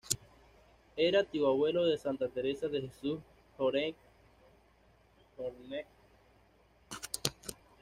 Era tío abuelo de Santa Teresa de Jesús Jornet e Ibars.